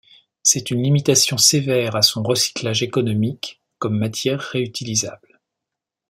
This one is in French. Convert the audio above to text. C'est une limitation sévère à son recyclage économique comme matière réutilisable.